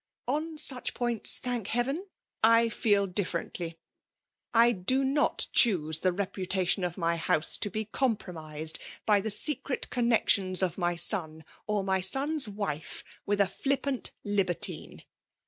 On such points, thank Heaven, I feel dflferenfly. 1 do not choose the reputation of my house to be compromised by the secret eonoexioiis of PSHALE DOHIKATION. 247 mj son or my son^s wife with a flippuit lil tine.